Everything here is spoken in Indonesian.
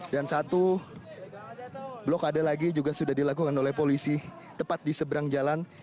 dan satu blok ada lagi juga sudah dilakukan oleh polisi tepat di seberang jalan